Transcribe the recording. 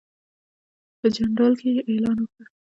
په جندول کې یې اعلان وکړ.